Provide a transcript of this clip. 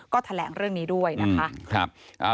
ก็แถลงเรื่องนี้ด้วยนะคะ